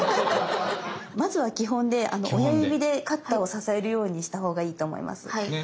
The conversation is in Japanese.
まずは基本で親指でカッターを支えるようにしたほうがいいと思います。